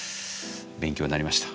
勉強になりました。